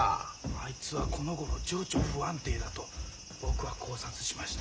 あいつはこのごろ情緒不安定だと僕は考察しました。